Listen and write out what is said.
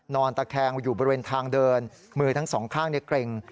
ตะแคงอยู่บริเวณทางเดินมือทั้งสองข้างเกร็ง